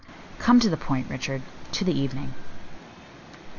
"Come to the point, Richard to the evening."